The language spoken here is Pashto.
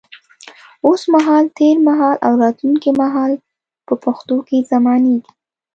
اوس مهال، تېر مهال او راتلونکي مهال په پښتو کې زمانې دي.